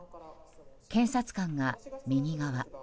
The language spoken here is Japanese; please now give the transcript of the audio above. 検察官が右側。